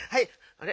あれ？